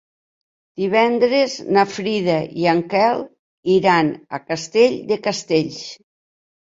Divendres na Frida i en Quel iran a Castell de Castells.